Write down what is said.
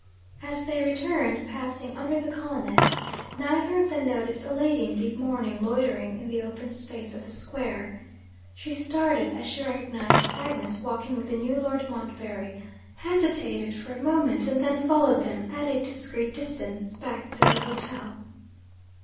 As they returned, passing under the colonnade, neither of them noticed a lady in deep mourning, loitering in the open space of the square. She started as she recognised Agnes walking with the new Lord Montbarry hesitated for a moment and then followed them, at a discreet distance, back to the hotel.